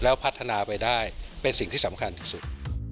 แล้วพัฒนาไปได้เป็นสิ่งที่สำคัญที่สุด